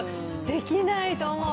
できないと思う。